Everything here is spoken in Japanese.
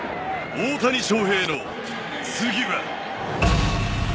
大谷翔平の次は。